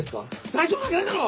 大丈夫なわけないだろ！